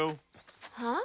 はあ？